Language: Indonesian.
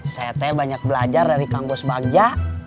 saya teh banyak belajar dari kang bos bagja